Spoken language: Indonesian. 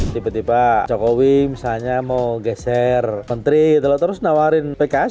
tiba tiba jokowi misalnya mau geser menteri terus terus nawarin pks